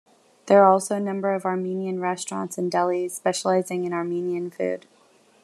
There are also a number of Armenian restaurants and delis, specializing in Armenian food.